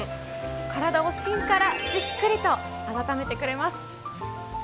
体を芯からじっくりと温めてくれます。